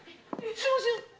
すいません。